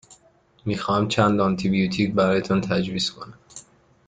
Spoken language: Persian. می خواهمم چند آنتی بیوتیک برایتان تجویز کنم.